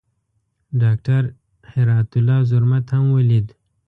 ډاکټر هرات الله زرمت هم ولید.